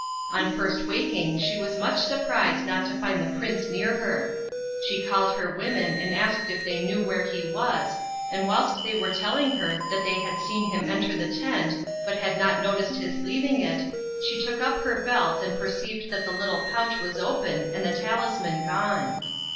On first waking she was much surprised not to find the prince near her. She called her women and asked if they knew where he was, and whilst they were telling her that they had seen him enter the tent, but had not noticed his leaving it, she took up her belt and perceived that the little pouch was open and the talisman gone.